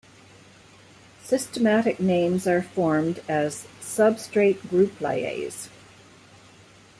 Systematic names are formed as "substrate group-lyase".